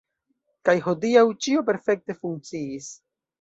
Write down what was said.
Kaj hodiaŭ ĉio perfekte funkciis.